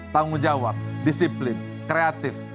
tanggung jawab disiplin kreatif